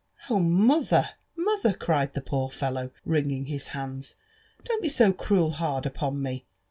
'' Oh, mother 1 mother!" cried the poor fellow, wringing his hands, ''don't be so cruel hard upon me!